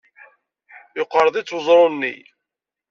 Yeqreḍ-itt weẓru-nni.